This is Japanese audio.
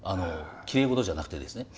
きれいごとじゃなくてですね。